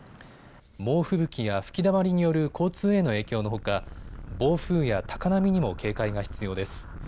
猛吹雪や吹きだまりによる交通への影響のほか暴風や高波にも警戒が必要です。